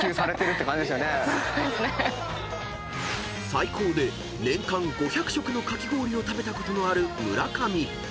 ［最高で年間５００食のかき氷を食べたことのある村上］